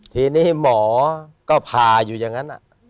ทีนี้หมอก็ผ่าอยู่อย่างนั้น